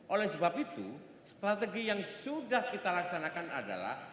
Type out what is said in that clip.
oleh sebab itu strategi yang sudah kita laksanakan adalah